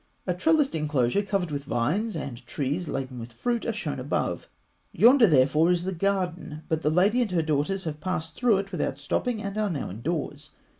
A trellised enclosure covered with vines, and trees laden with fruit, are shown above; yonder, therefore, is the garden, but the lady and her daughters have passed through it without stopping, and are now indoors.